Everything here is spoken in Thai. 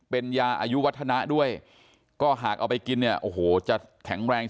เป็นยาอายุวัฒนะด้วยก็หากเอาไปกินเนี่ยโอ้โหจะแข็งแรง